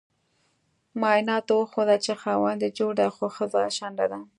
معایناتو وخوده چې خاوند یي جوړ دې خو خځه شنډه ده